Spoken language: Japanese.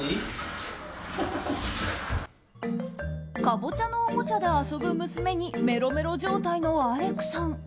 カボチャのおもちゃで遊ぶ娘にメロメロ状態のアレクさん。